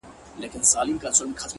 ستا د سونډو د خندا په خاليگاه كـي ـ